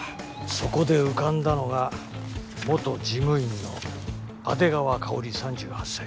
そこで浮かんだのが元事務員の阿出川香里３８歳。